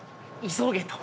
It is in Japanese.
急げと。